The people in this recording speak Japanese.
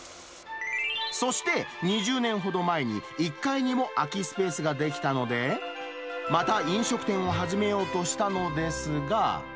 そして、２０年ほど前に１階にも空きスペースが出来たので、また飲食店を始めようとしたのですが。